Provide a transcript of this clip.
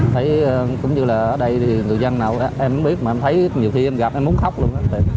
thấy cũng như là ở đây thì người dân nào em biết mà em thấy nhiều khi em gặp em muốn khóc luôn